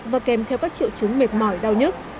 và kèm theo các triệu chứng mệt mỏi đau nhức